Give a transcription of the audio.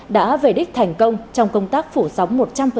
đã về đích thành công trong công tác phủ sóng